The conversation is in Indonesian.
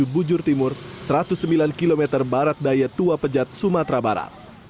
sembilan puluh sembilan tujuh bujur timur satu ratus sembilan km barat daya tua pejat sumatera barat